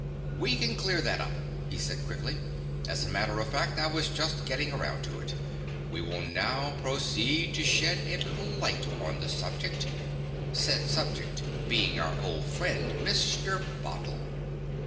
"We can clear that up," he said quickly. "As a matter of fact, I was just getting around to it. We will now proceed to shed a little light on the subject said subject being our old friend Mr. Bottle."